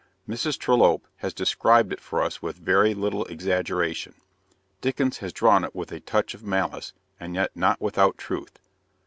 Mrs. Trollope has described it for us with very little exaggeration. Dickens has drawn it with a touch of malice, and yet not without truth.